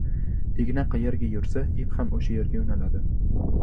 • Igna qayerga yursa, ip ham o‘sha yerga yo‘naladi.